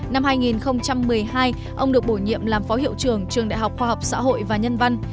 năm hai nghìn một mươi hai ông được bổ nhiệm làm phó hiệu trưởng trường đại học khoa học xã hội và nhân văn